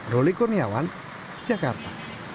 roli kurniawan jakarta